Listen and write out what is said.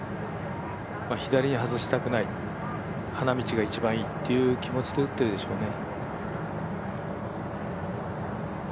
左に外したくない、花道が一番いいという気持ちで打っているでしょうね。